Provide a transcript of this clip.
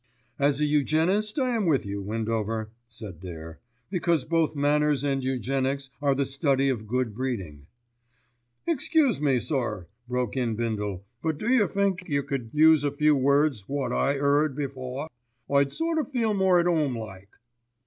"As a eugenist I am with you, Windover," said Dare; "because both manners and eugenics are the study of good breeding." "Excuse me, sir," broke in Bindle, "but do yer think yer could use a few words wot I've 'eard before? I'd sort o' feel more at 'ome like."